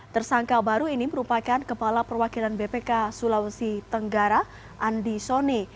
tersangka baru ini merupakan kepala perwakilan bpk sulawesi tenggara andi sone